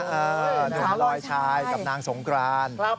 หนุ่มลอยชายกับนางสงกราน